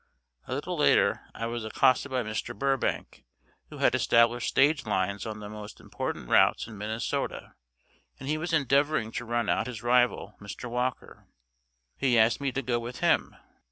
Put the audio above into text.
A little later I was accosted by Mr. Burbank, who had established stage lines on the most important routes in Minnesota and he was endeavoring to run out his rival, Mr. Walker. He asked me to go with him.